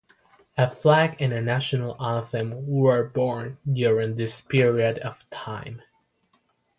A flag and a national anthem were born during this period in time.